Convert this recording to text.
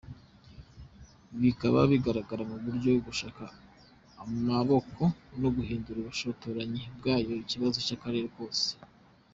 bikaba bigaragara mu buryo gushaka amaboko no guhindura ubushotoranyi bwayo ikibazo cy’akarere kose.